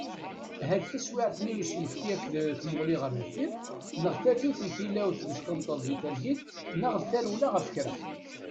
Ahat d taswiɛt-nni n usmekti akked tmuɣli ɣer deffir, neɣ d tatut n tilawt d uckenṭeḍ di targit, neɣ d tarewla ɣef kra.